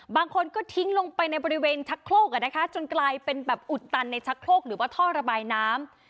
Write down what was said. บางคนก็ทิ้งลงไปในบริเวณชักโครกจนกลายเป็นแบบอุดตันในชักโครกหรือว่าท่อระบายน้ำ